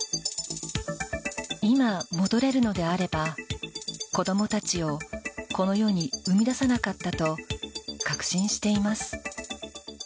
今、戻れるのであれば子供たちをこの世に生み出さなかったと確信しています。